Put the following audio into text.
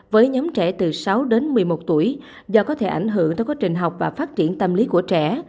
với nhóm trẻ từ sáu đến một mươi một tuổi do có thể ảnh hưởng tới quá trình học và phát triển tâm lý của trẻ